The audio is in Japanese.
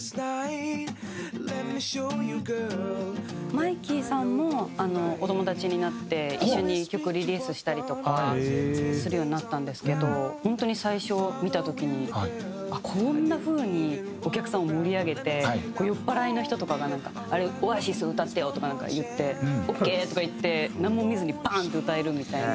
マイキーさんもお友達になって一緒に曲をリリースしたりとかするようになったんですけど本当に最初見た時にあっこんな風にお客さんを盛り上げて酔っ払いの人とかがなんか「あれＯａｓｉｓ歌ってよ」とかなんか言って「オーケー」とか言ってなんも見ずにパンッて歌えるみたいな。